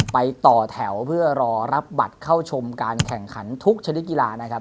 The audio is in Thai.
ไปต่อแถวเพื่อรอรับบัตรเข้าชมการแข่งขันทุกชนิดกีฬานะครับ